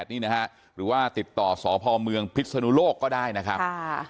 ๐๘๓๙๕๔๔๕๐๘นี่นะฮะหรือว่าติดต่อศพเมืองผิดสนุโลกก็ได้นะครับ